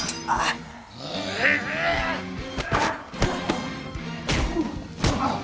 ああ。